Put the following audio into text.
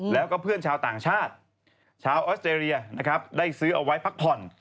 แล้วก็เพื่อนชาวต่างชาติชาวออสเตรเลียนะครับได้ซื้อเอาไว้พักผ่อน